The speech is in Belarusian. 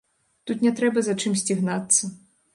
Тут не трэба за чымсьці гнацца.